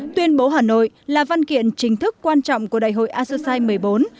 tuyên bố hà nội là văn kiện chính thức quan trọng của đại hội asosai một mươi bốn